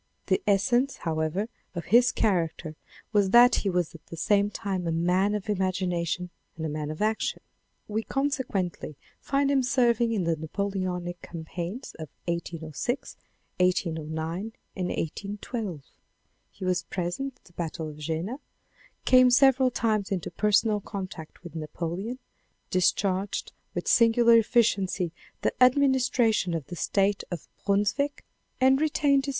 The essence^ however, of his character was that he was at the same time a man of imagination and a man of action. We consequently find him serving in the Napoleonic cam paigns of 1806, 1809 and 1 81 2. He was present at the Battle of Jena, came several times into personal contact with Napoleon, discharged with singular efficiency the administration of the State of Brunswick, and retained viii.